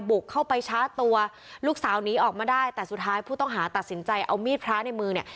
บุกเข้าไปชาร์จตัวลูกสาวหนีออกมาได้แต่สุดท้ายผู้ต้องหาตัดสินใจเอามีดพระในมือเนี่ย